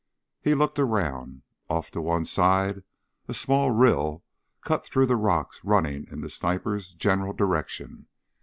He looked around. Off to one side a small rill cut through the rocks running in the sniper's general direction.